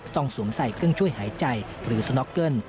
สวมใส่เครื่องช่วยหายใจหรือสน็อกเกิ้ล